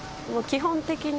基本的に。